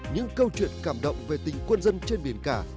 những câu chuyện cảm động về tình quân dân trên biển cả